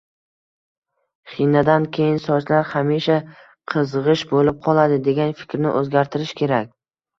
Xinadan keyin sochlar hamisha qizg‘ish bo‘lib qoladi degan fikrni o‘zgartirish kerak